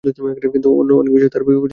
কিন্তু, অন্য অনেক বিষয়ে তার আগ্রহ ছিল।